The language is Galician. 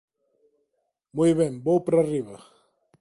Moi ben, vou para arriba.